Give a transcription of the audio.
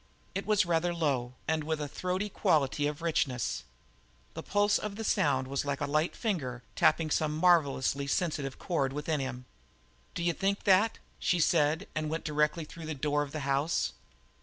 It was rather low, and with a throaty quality of richness. The pulse of the sound was like a light finger tapping some marvellously sensitive chord within him. "D'you think that?" she said, and went directly through the door of the house.